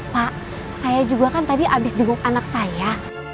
pak saya juga kan tadi habis jenguk anaknya